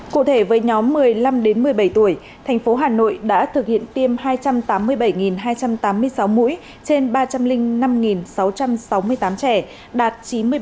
cụ thể với nhóm một mươi năm đến một mươi bảy tuổi thành phố hà nội đã thực hiện tiêm hai trăm tám mươi bảy hai trăm tám mươi sáu mũi trên ba trăm linh năm sáu trăm sáu mươi tám trẻ đạt chín mươi ba chín mươi tám